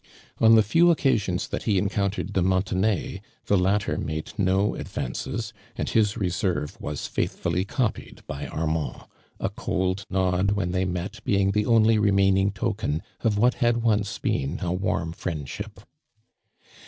On the few occasions that he encountered de Montenay, the latter made no advances, and his reserve was faithfully copied by Ar mand, a cold nod when they met being the only remaining token of what had once been a warm friendship.